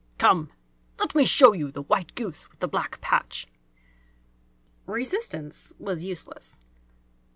Come, let me show you the white goose with the black patch!" Resistance was useless.